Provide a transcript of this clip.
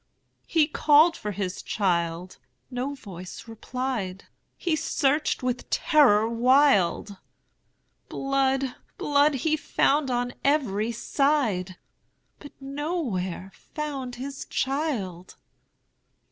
He called his child,—no voice replied,—He searched with terror wild; Blood, blood, he found on every side, But nowhere found his child.